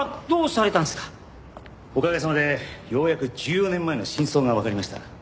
おかげさまでようやく１４年前の真相がわかりました。